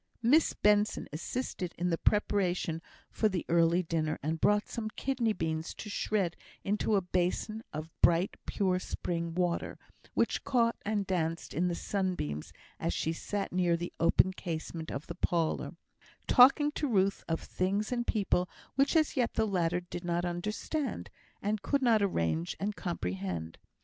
Miss Benson assisted in the preparation for the early dinner, and brought some kidney beans to shred into a basin of bright, pure spring water, which caught and danced in the sunbeams as she sat near the open casement of the parlour, talking to Ruth of things and people which as yet the latter did not understand, and could not arrange and comprehend.